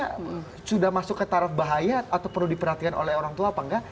apakah sudah masuk ke taraf bahaya atau perlu diperhatikan oleh orang tua apa enggak